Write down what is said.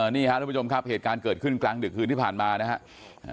นี่ครับทุกผู้ชมครับเหตุการณ์เกิดขึ้นกลางดึกคืนที่ผ่านมานะครับ